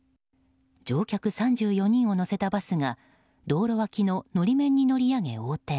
乗客３４人を乗せたバスが道路脇の法面に乗り上げ横転。